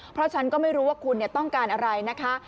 เพราะฉันก็ไม่รู้ว่าคุณต้องการอะไรนะคะ